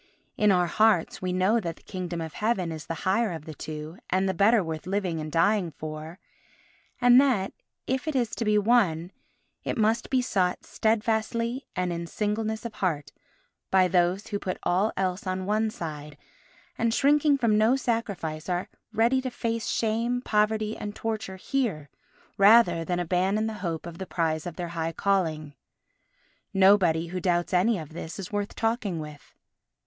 In our hearts we know that the Kingdom of Heaven is the higher of the two and the better worth living and dying for, and that, if it is to be won, it must be sought steadfastly and in singleness of heart by those who put all else on one side and, shrinking from no sacrifice, are ready to face shame, poverty and torture here rather than abandon the hope of the prize of their high calling. Nobody who doubts any of this is worth talking with.